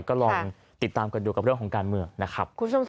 ก็ลองติดตามกันดูกับเรื่องของการเมืองนะครับ